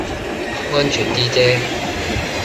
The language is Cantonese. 安全啲啫